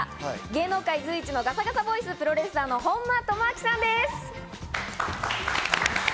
芸能界随一のガラガラボイス、プロレスラーの本間朋晃さんです。